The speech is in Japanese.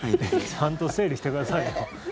ちゃんと整理してくださいよ。